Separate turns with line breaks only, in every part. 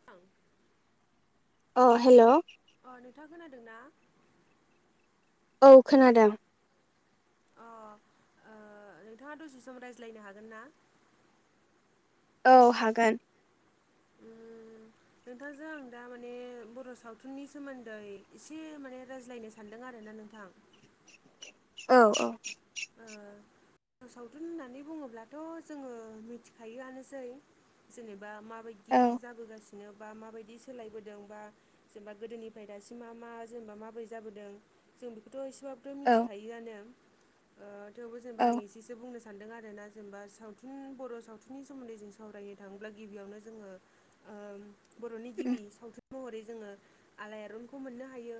[unintelligible]
अ हेल'।
अ नोंथाङा खोनादों ना?
औ खोनादों।
अ नोंथाङा दसे सम रायज्लायनो हागोन ना?
औ हागोन।
उम नोंथांजों आं दा माने बर' सावथुननि सोमोन्दै एसे माने रायज्लायनो सा न्दों आरोना नोंथां।
औ औ।
ओ सावथुन होननानै बुङोब्लाथ' जोङो मिथिखायोआनोसै। जेनेबा माबायदि
औ
जाबोगासिनो बा माबायदि सोलायबोदों बा जेनेबा गोदोनिफ्राय दासिमा मा जेनेबा माबोरै जाबोदों जों बेखौथ' ए सेबाबोथ'
औ
मिथिखायोआनो। ओ थेवबो
औ
जेनेबा आं ए से बुंनो सानदों आरोना जेनेबा सावथुन बर' सावथुननि सोमोन्दै जों सावरायनो थाङोब्ला गिबियावनो जोङो ओ बर'नि गिबि सावथुन महरै जोङो आलायआरनखौ मोननो हायो।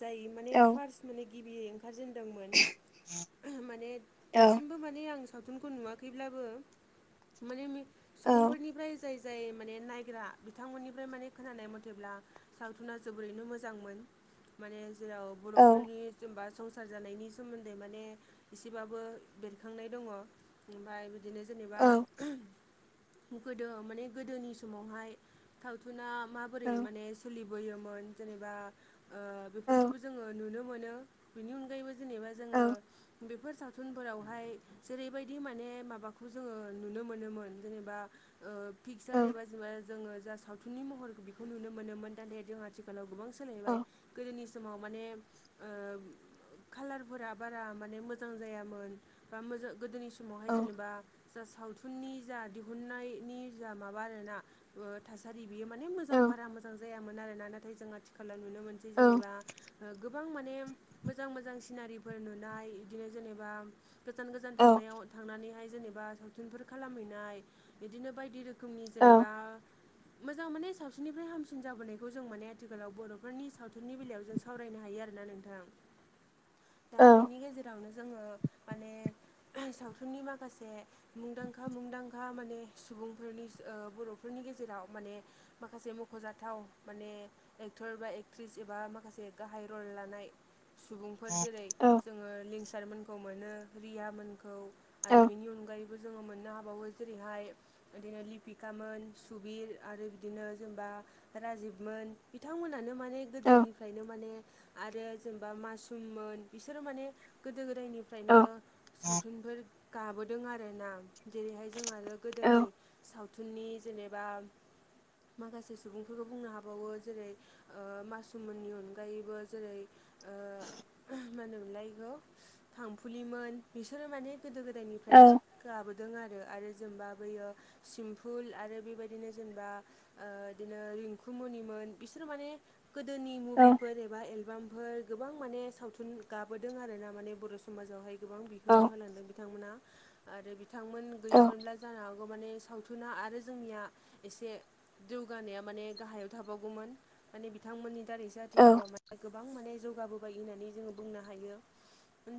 जाय माने
औ
फार्स्ट माने गिबियै ओंखारजेन्दोंमोन। माने
औ
दासिमबो माने आं सावथुनखौ नुवाखैब्लाबो माने
औ
सुबुंफोरनिफ्राय जाय जाय माने नायग्रा बिथांमोननिफ्राय माने खोनानाय मथेब्ला सावथुना जोबोरैनो मोजांमोन माने जेराव
औ
बर'फोरनि जेनबा संसार जानायनि सोमोन्दै माने एसेबाबो बेरखांनाय दङ'। ओमफाय बिदिनो जेनेबा
औ औ
गोदो माने गोदोनि समावहाय सावथुना माबोरै
औ औ
माने सोलिबोयोमोन जेनेबा ओ बेफोरखोबो जोङो नुनो मोनो। बेनि अनगायैबो जेनेबा
औ
जोङो बेफोर साव थुनफोरावहाय जेरैबायदि माने माबाखौ जोङो नुनो मोनोमोन जेनेबा ओ पिक्सार एबा जेनेबा जोङो जा सावथुननि महर बेखौ नुनो मोनोमोन नाथाय जों आथिखा लाव गोबां सोलायबाय। गोदोनि समाव माने ओ कालारफोरा बारा माने मोजां जायामोन बा मोजां गोदोनि समावहाय
औ
जेनेबा जा सावथुननि जा दिहुननायनि जा माबा आरोना ओ थासारि बियो माने मोजां बारा मोजां जायामोन आरोना। नाथाय जों आथि खालाव नुनो मोनसै जेनेबा ओ गोबां माने मोजां मो जां सिनारिफोर नुनाय इदिनो जेनेबा गोजान गोजान थांनायाव थांनानै जाय जेनेबा सावथुनफोर खालामहैनाय बिदिनो बायदि रोखोमनि जेनेबा मोजां माने सावसिननिफ्राय हामसिन जाबोनायखौ जों माने आथिखालाव बर'फोरनि सावथुननि बेलायाव जों सावरायनो हायो आरोना नोंथां।
औ
दा बिनि गेजेरावनो जोङो माने सावथुननि माखासे मुंदांखा मुंदांखा माने सुबुंफोरनि ओ बर'फोरनि गेजेराव माने माखासे मख'जाथाव माने एक्टर बा एक्ट्रिस एबा माखासे गाहाय रल लानाय सुबुं फोर जेरै जोङो लिंसार मोनखौ मोनो रिया मोनखौ। आरो बेनि अनगायै बो जोङो मोननो हाबावो जेरैहाय बिदिनो लिपिकामोन सुबिर आरो बिदिनो जेनबा राजिबमोन। बिथांमोनानो मा ने गोदोनिफ्रायनो माने आरो जेनबा मासुममोन बिसोरो माने गोदो गोदायनिफ्रायनो सावथुनफोर गाबोदों आरोना। जेरैहाय जों आरो गोदोनि सावथुननि जेनेबा माखासे सुबुंफोरखौ बुंनो हाबावो जेरै ओ मासुममोननि अनगायैबो जेरै ओ मा होनोमोनलाय इखौ फांफुलिमोन बिसोरो माने गोदो गोदायनिफ्रायनो गाबोदों आरो। आरो जेनबा बैयो सिम्फुल आरो बेबायदिनो जेनबा ओ इदिनो रिंखुमुनिमोन बिसोर माने गोदोनि मुभिफोर एबा एलबामफोर गोबां माने सावथुन गाबोदों आरोना माने बर' समाजावहाय गोबां बिहोमा होलांदों बिथांमोना। आरो बिथांमोन गैयामोनब्ला जानो हागौ माने सावथुना आरो जोंनिया एसे जौगानाया माने गाहायाव थाबावगौमोन माने बिथांमोननि दारैसो आथिखालाव माने गोबां माने जौगाबोबाय होननानै जोङो बुंनो हायो।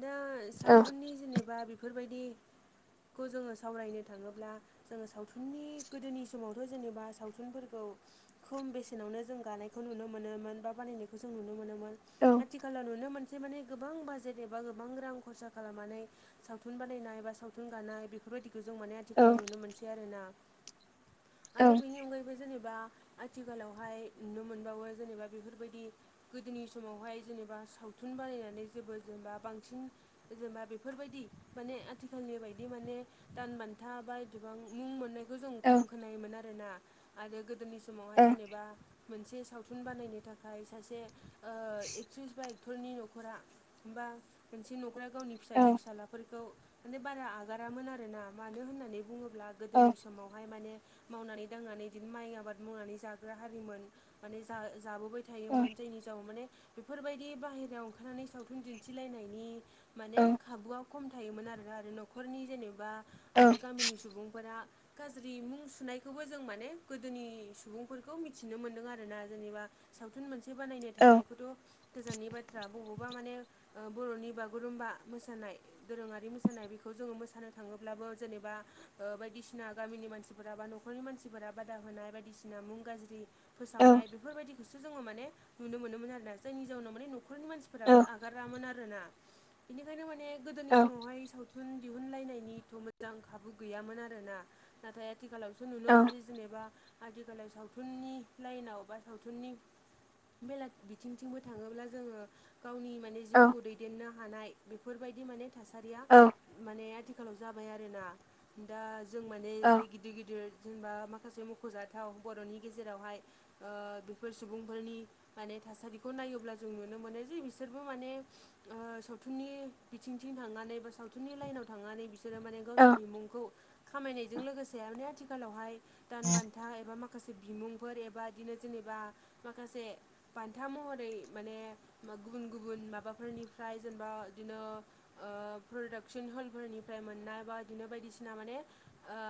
दा सावथुननि जेनेबा बेफोरबायदिखौ जोङो सावरायनो थाङोब्ला जोङो सावथुननि गोदोनि समावथ' जेनेबा सावथुनफोरखौ खम बेसेनावनो जों गानायखौ नुनो मोनोमोन बा बानायनायखौ जों नुनो मोनो। मोन आथिखालाव नुनो मोनसै माने गोबां बाजेट एबा गोबां रां खरसा खालामनानै सावथुन बानायनाय बा सावथुन गानाय बेफोरबायदिखौ जों माने आथिखालाव नुनो मोनसै आरोना। आरो बेनि अनगायैबो जेनेबा आथिखालावहाय नुनो मोनबावो जेनेबा बेफोरबायदि गोदोनि समावहाय जेनेबा सावथुन बानायनानै जेबो जेनबा बांसिन जेनेबा बेफोरबायदि माने आथिखालनि बायदि माने दान बान्था बा एथबां मुं मोननाय बेखौ जों खम खोनायोमोन आरोना आरो गोदोनि समावहाय जेनेबा मोनसे सावथुन बानायनो थाखाय सासे एक्ट्रिस बायक फोरनि न'खरा एबा मोनसे न'खरा गावनि फिसाजो फिसालाफोरखौ माने बारा आगारामोन आरोना मानो होननानै बुङोब्ला गोदोनि समावहाय माने मावनानै दांनानै बिदिनो माइ आबाद मावनानै जाग्रा हारिमोन माने जा जाबोबाय थायोमोन जायनि जाउनाव माने बेफोरबायदि दि बाहेरायाव ओंखारनानै सावथुन दिन्थिलायनायनि माने खाबुआ खम थायोमोन आरो आरो न'खरनि जेनेबा आरो गामिनि सुबुंफोरा गाज्रि मुं सुनायखौबो जों माने गोदोनि सुबुंफोरखौ मिथिनो मोनदों आरोना जेनेबा। सावथुन मोनसे बानायनो थांनायखौथ' गोजाननि बाथ्रा बबावबा माने बर'नि बागुरुमबा मोसानाय दोरोङारि मोसानाय बेखौ जोङो मोसानो थाङोब्लाबो जेनेबा ओ बायदिसिना गामिनि मानसि बा न'खरनि मानफोरा बादा होनाय बायदिसिना मुं गाज्रि फोसावनाय बेफोरबायदिखौसो जोङो माने नुनो मोनोमोन आरोना जायनि जाउनाव माने न'खरनि मानसिफोराबो आगारामोन आरोना बेनिखायनो माने गोदोनि समावहाय सावथुन थुन दिहुनलायनायनिथ' मोजां खाबु गैयामोन आरोना। नाथाय आथिखालावसो नुनो मोनसै जेनेबा आथिखालाव सावथुननि लाइनाव बा सावथुननि बेलेग बिथिंथिंबो थाङोब्ला जोङो गावनि माने जिउखौ दैदेननो हानाय बेफोरबायदि माने थासारिया माने आथिखालाव जाबाय आरोना। दा जों माने बे गिदिर गिदिर जेनेबा माखासे मख'जाथाव बर'नि गेजेरावहाय ओ बेफोर सुबुंफोरनि माने थासारि खौ नायोब्ला जों नुनो मोनो जे बिसोरबो माने ओ सावथुननि बिथिंथिं थांनानै बा सावथुननि लाइनाव थांनानै बिसोरो माने गावसिनि मुंखौ खामायनायजों लोगोसे आथिखालावहाय दान बान्था न्था एबा माखासे बिमुंफोर एबा बिदिनो जेनेबा माखासे बान्था महर माने गुबुन गुबुन माबाफोरनिफ्राय जेनेबा बिदिनो ओ प्रडाक्सन हलफोरनिफ्राय मोननाय बा बिदिनो बायदिसिना माने ओ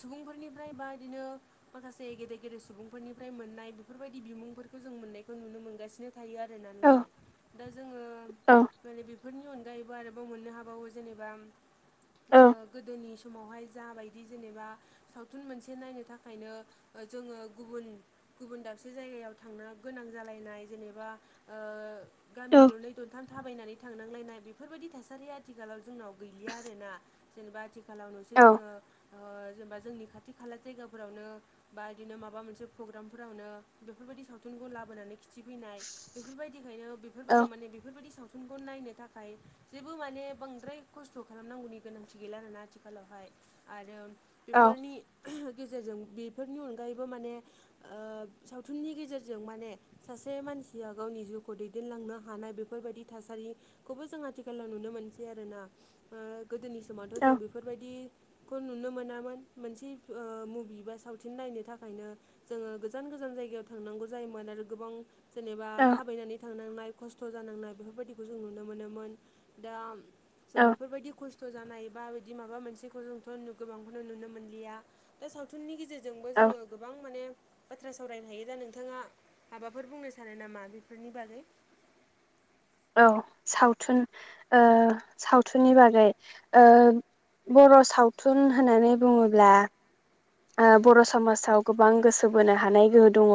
सुबुंफोरनिफ्राय बा बिदिनो माखासे गेदेर गेदेर सुबुंफोरनिफ्राय मोननाय बेफोरबायदि बिमुंफोरखौ जों मोननाय खौ नुनो मोनगासिनो थायो आरोना नोंथां। दा जोङो
औ
माने बेफोरनि अनगायैबो आरोबाव मोननो हाबावो जेनेबा
औ
ओ गोदोनि समावहाय जाबायदि जेनेबा सावथुन मोनसे नायनो थाखायनो जोङो गुबुन गुबुन दाबसे जायगायाव थांनो गोनां जालनाय जेनेबा ओ गामि
औ
दरनै दरथाम थाबायनानै थांनांलायनाय बेफोरबायदि थासारिया आथिखालाव जोंनाव गैलिया आरोना जेनेबा आथि खालाव नुसै
औ
जोङो ओ जेनेबा जोंनि खाथि खाला जायगाफोरावनो बा बिदिनो माबा मोनसे प्रग्रामफोरावनो बेफोरबायदि सावथुनखौ लाबो बोनानै खिथिफैनाय बेफोरबायदिखायनो
औ
बेफोरबायदियाव माने बेफोरबायदि सावथुनखौ नायनो थाखाय जेबो माने बांद्राय खस्थ' खालामनांगौनि गोनांथि गैला आरोना आथिखालावहाय। आरो
औ
बेफोरनि गेजेरजों बेफोरनि अनगायैबो माने ओ सावथुननि गेजेरजों माने सासे मानसिया गावनि जिउखौ दैदेनलांनो हानाय बेफोरबायदि थासारि खौबो जों आथिखालाव नुनो मोनसै आरोना ओ गोदोनि समावथ' जों बेफोरबायदि खौ नुनो मोनामोन मोनसे मुभि बा सावथुन नायनो थाखायनो। जोङो गोजान गोजान जायगायाव थांनांगौ जायोमोन आरो। गोबां जेनेबा
औ
थाबायनानै थांनांनाय खस्थ' जानांनाय बेफोरबायदिखौ जों नुनो मोनोमोन। दा जों
औ
बेफोरबायदि खस्थ' खस्थ' जानाय बा बिदि माबा मोनसेखौ जोंथ' गोबांखौनो नुनो मोनलिया दा सावथुननि गेजेरजों जोंबो
औ
जोङो गोबां माने बाथ्रा सावरायनो हायो दा नोंथाङा माबाफोर बुंनो सानो नामा बेफोरनि बागै?
औ सावथुन ओ सावथुननि बागै ओ बर' सावथुन होननानै बुङोब्ला। बर' समाजाव गोबां गोसो बोनो हानाय गोहो दङ।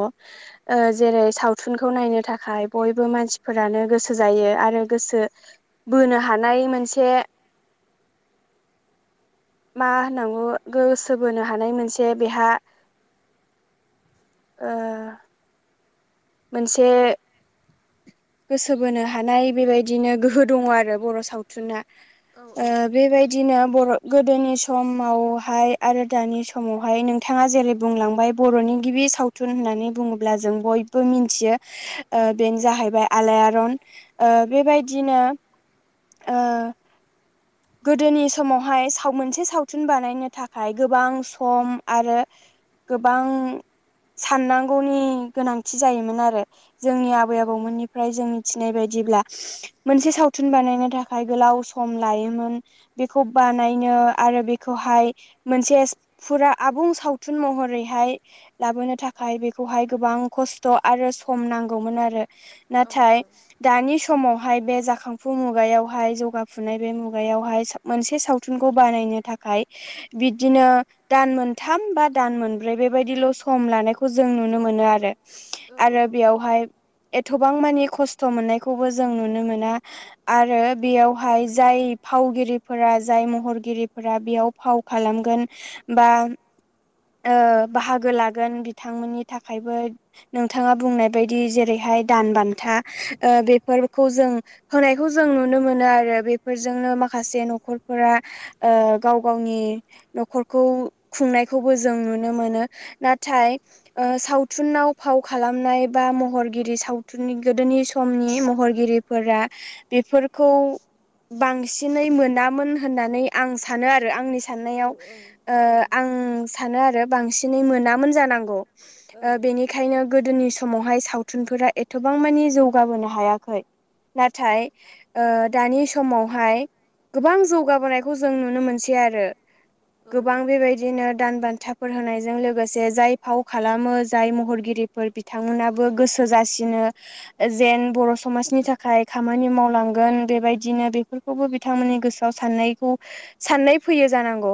जेरै सावथुनखौ नायनो थाखाय बयबो मानसिफोरानो गोसो जायो। आरो गोसो बोनो हानाय मोनसे मा होननांगौ गोसो बोनो हानाय मोनसे बेहा ओ। मोनसे गोसो बोनो हानाय बेबायदिनो गोहो दङ आरो बर' सावथुना।
औ
ओ
औ
बेबायदिनो बर' गोदोनि समावहाय आरो दानि समावहाय नोंथाङा जेरै बुंलांबाय। बर'नि गिबि सावथुन होननानै बुङोब्ला जों बयबो मिथियो बेनो जाहैबाय। आलायारन ओ बेबायदिनो ओ गोदोनि समावहाय मोनसे सावथुन बानायनो थाखाय गोबां सम आरो गोबां साननांगौनि गोनांथि जायोमोन आरो। जोंनि
औ
आबै आबौमोननि ओमफ्राय जों मिथिनाय बायदिब्ला मोनसे सावथुन बानायनो थाखाय गोलाव सम लायोमोन। बेखौ बानायनो आरो बेखौहाय मोनसे फुरा आबुं सावथुन महरैहाय लाबोनो थाखाय बेखौहाय गोबां खस्थ' आरो सम नांगौमोन आरो।
औ
नाथाय दानि समावहाय बे जाखांफु मुगायावहाय जौगाफुनाय बे मुगा मुगायावहाय मोनसे सावथुनखौ बानायनो थाखाय बिदिनो दान मोनथाम बा दान मोनब्रै बेबायदिल' सम लानायखौ जों नुनो मोनो आरो।
औ
आरो बेयावहाय एथबां मानि खस्थ' मोननायखौबो जों नुनो मोना। आरो बेयावहाय जाय फावगिरिफोरा जाय महरगिरिफोरा बेयाव फाव खालामगोन बा बाहागो लागोन बिथांमोननि थाखायबो नोंथाङा बुंनाय बायदि जेरैहाय दान बान्था ओ बेफोरखौ जों होनायखौ जों नुनो मोनो। आरो बेफोरजोंनो माखासे न'खरफोरा ओ गाव गावनि न'खरखौ खुंनायखौबो जों नुनो मोनो। नाथाय ओ सावथुनाव फाव खालामनाय बा महरगिरि सावथुननि गोदोनि समनि महरगिरि फोर बेफोरखौ बांसिनै मोनामोन होननानै आं सानो आरो। आंनि
औ
साननायाव ओ
औ
आं सानो आरो बांसिनै मोनामोन जानांगौ। ओ बेनि खायनो गोदोनि समावहाय सावथुनफोरा एथबां मानि जौगाबोनो हायाखै। नाथाय ओ दानि समावहाय गोबां जौगाबोनायखौ जों नुनो मोनसै आरो।
औ औ
गोबां बेबायदिनो दान बान्थाफोर होनायजों लोगोसे जाय फाव खालामो जाय महरगिरिफोर बि थांमोनाबो गोसो जासिनो जेन बर' समाजनि थाखाय खामानि मावलांगोन बेबाय दिनो बेफोरखौबो बिथांमोननि गोसोआव साननायखौ साननाय फैयो जानांगौ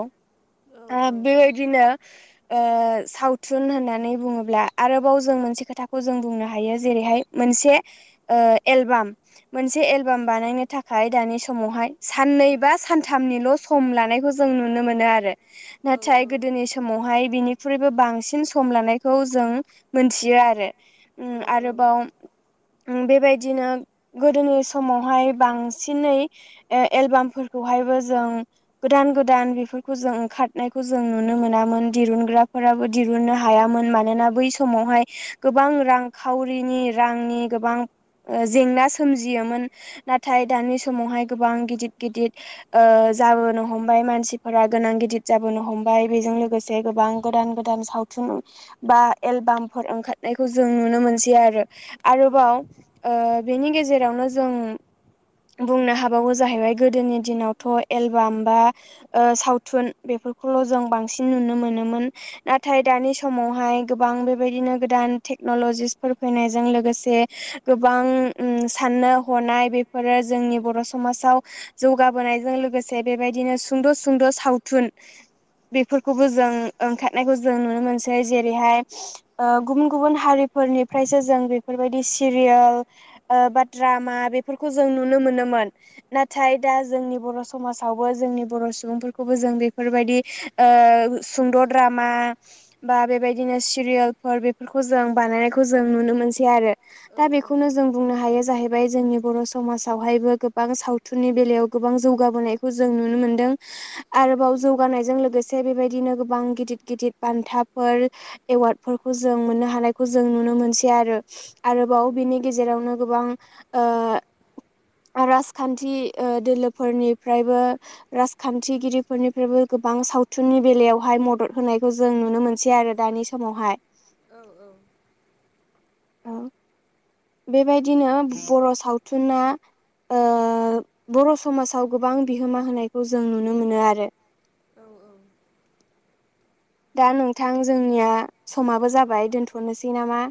औ
आ बेबायदिनो ओ सावथुन होननानै बुङोब्ला आरोबाव जों मोनसे खोथाखौ जों बुंनो हायो जेरैहाय मोनसे ओ एलबाम मोनसे एलबाम बानायनो थाखाय दानि समावहाय साननै बा सानथामनिल' सम लानायखौ जों नुनो मोनो आरो।
औ
नाथाय गोदोनि समावहाय बिनिख्रुइबो बांसिन सम लानायखौ जों मोनथियो आरो।
औ
उम आरोबाव उम बेबायदिनो गोदोनि समावहाय बांसिनै ए-एलबाम फोरखौहायबो जों गोदान-गोदान बेफोरखौ जों ओंखादनायखौ जों नुनो मोनामोन दिरुनग्राफोराबो दिरुननो हायामोन मानोना बै समावहाय गोबां रांखावउरिनि रांनि गोबां ओ जेंना सोमजियोमोन नाथाय दानि समावहाय गोबां गिदिद-गिदिद ओ जाबोनो हमबाय मानसिफोरा गोनां गिदिद जाबोनो हमबाय बेजों लोगोसे गोबां गोदान-गोदान सावथुन बा एलबाम फोर ओंखादनायखौ जों नुनो मोनस दि आरो आरोबाव ओ बेनि गेजेरावनो जों बुंनो हाबावो जाहैबाय गोदोनि दिनावथ' एलबाम बा ओ सावथुन बेफोरखौल' जों बांसिन नुनो मोनोमोन। नाथाय दानि समावहाय गोबां बेबायदिनो गोदान थेक्नल'जिसफोर फैनायजों लोगोसे गोबां उम साननो हनाय बेफोरो जोंनि बर' समाजाव जौगाबोनायजों लोगोसे बेबायदिनो सुंद'- सुंद' सावथुन बेफोरखौबो जों ओंखारनायखौ जों नुनो मोनसै जेरैहाय ओ गुबुन-गुबुन हारिफोरनिफ्रायसो जों बेफोरबायदि सिरियाल ओ बा द्रामा बेफोरखौ जों नुनो मोनोमोन। नाथाय दा जोंनि बर' समाजावबो जोंनि बर' सुबुंफोरखौबो जों बेफोरबायदि ओ सुंद' द्रामा बा बेबायदिनो सिरियोलफोर बेफोरखौ जों बानायनायखौ जों नुनो मोनसै आरो। दा बेखौनो जों बुंनो हायो जाहैबाय जोंनि बर' समाजावहायबो गोबां सावथुननि बेलायाव गोबां जौगाबोनायखौ जों नुनो मोनदों। आरोबाव जौगानायजों लोगोसे बेबायदिनो गोबां गिदित - गिदित बान्थाफोर एवार्डफोरखौ जों मोननो हानायखौ‌ जों नुनो मोनसि यारो आरोबाव बिनि गेजेरावनो गोबां ओ राजखान्थि ओ दोलोफोरनिफ्रायबो राजखान्थिगिरि फोरनिफ्रायबो गोबां सावथुननि बेलायावहाय मदद होनायखौ जों नुनो मोनसै आरो दानि समावहाय
औ औ [inaudible]
बेबायदिनो बर' सावथुना ओ बर' समाजाव गोबां बिहोमा होनायखौ जों नुनो मोनो आरो।
औ औ
दा नोंथां जोंनिया समाबो जाबाय दोनथ'नोसै नामा